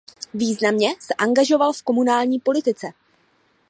Významně se angažoval v komunální politice.